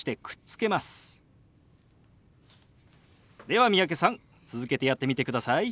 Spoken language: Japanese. では三宅さん続けてやってみてください。